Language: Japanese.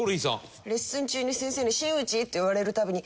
レッスン中に先生に「新内」って言われる度に。